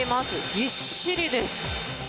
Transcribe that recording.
ぎっしりです。